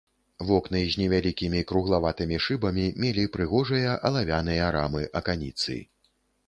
Вокны з невялікімі круглаватымі шыбамі мелі прыгожыя алавяныя рамы-аканіцы.